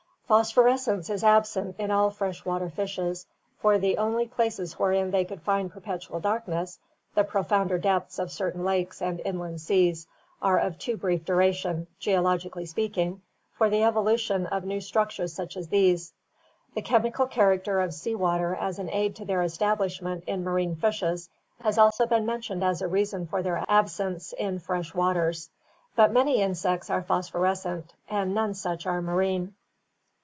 Phosphorescence is absent in all fresh water fishes, for the only places wherein they could find perpetual dark ness— the profounder depths of certain lakes and inland seas — are of too brief duration, geologically speaking, for the evolution of new structures such as these. The chemical character of sea water as an aid to their establishment in marine fishes has also been mentioned as a reason for their absence in fresh waters. But many insects are phosphorescent and none such are marine.